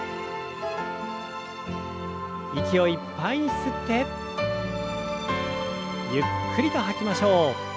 息をいっぱいに吸ってゆっくりと吐きましょう。